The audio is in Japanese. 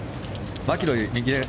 マキロイ、右へ。